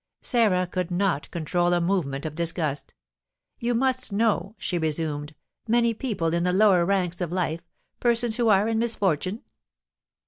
Sarah could not control a movement of disgust. "You must know," she resumed, "many people in the lower ranks of life, persons who are in misfortune?"